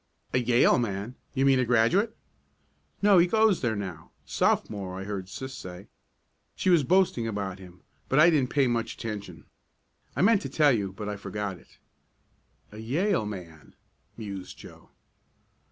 "A Yale man you mean a graduate?" "No, he goes there now Sophomore I heard sis say. She was boasting about him, but I didn't pay much attention. I meant to tell you, but I forgot it." "A Yale man," mused Joe.